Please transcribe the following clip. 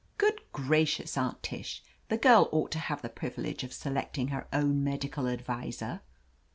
"Good gracious. Aunt Tish, the girl ought to have the privilege of selecting her own medical adviser."